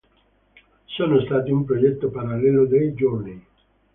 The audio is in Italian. Sono stati un progetto parallelo dei Journey.